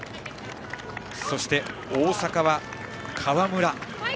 そして大阪は河村。